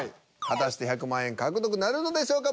果たして１００万円獲得なるのでしょうか。